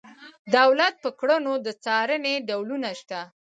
دولت په کړنو د څارنې ډولونه شته.